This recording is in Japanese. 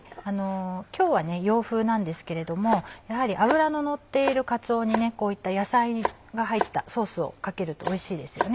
今日は洋風なんですけれどもやはり脂ののっているかつおにこういった野菜が入ったソースをかけるとおいしいですよね。